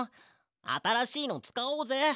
あたらしいのつかおうぜ。